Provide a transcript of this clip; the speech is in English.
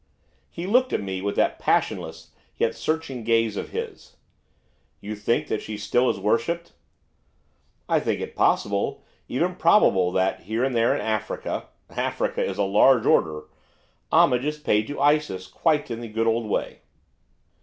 He looked at me with that passionless, yet searching glance of his. 'You think that she still is worshipped?' 'I think it possible, even probable, that, here and there, in Africa Africa is a large order! homage is paid to Isis, quite in the good old way.